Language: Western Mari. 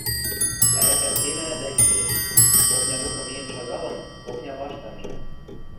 Ӓрӓкӓм темӓ дӓ йӱэш, окня докы миэн шагалын, окня вашт анжа.